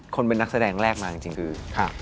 คนเป็นนักแสดงแรกมาจริงคือ